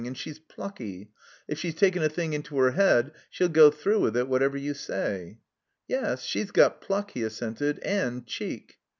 And she's plucky. If she's taken a thing into her head she'll go through with it whatever you say." 'Yes, she's got pluck," he assented. And cheek."